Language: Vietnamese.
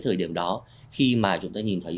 thời điểm đó khi mà chúng ta nhìn thấy